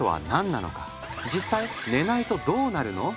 実際寝ないとどうなるの？